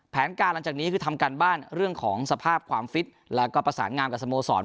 แผนการหลังจากนี้คือทำการบ้านเรื่องของสภาพความฟิตแล้วก็ประสานงามกับสโมสร